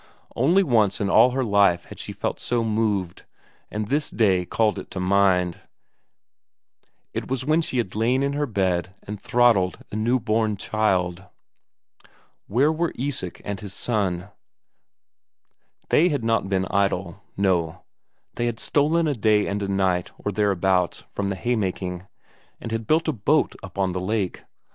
Only once in all her life before had she felt so moved, and this day called it to mind; it was when she had lain in her bed and throttled a newborn child. Where were Isak and his son? They had not been idle; no, they had stolen a day and a night or thereabouts from the haymaking, and had built a boat up on the lake.